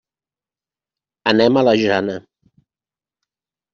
Anem a la Jana.